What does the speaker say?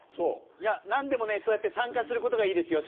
何でもねそうやって参加することがいいですよ